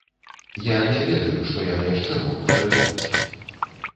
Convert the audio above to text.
Я не ведаю, што яны яшчэ могуць прыдумаць!